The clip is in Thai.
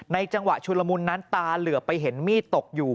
จังหวะชุลมุนนั้นตาเหลือไปเห็นมีดตกอยู่